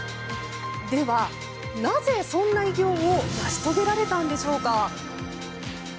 では、なぜそんな偉業を成し遂げられたのでしょうか。